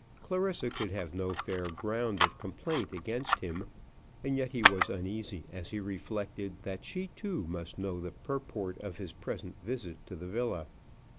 Clarissa could have no fair ground of complaint against him; and yet he was uneasy as he reflected that she too must know the purport of his present visit to the villa.